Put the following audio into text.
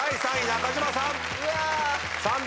中島さん